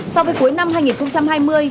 so với cuối năm hai nghìn hai mươi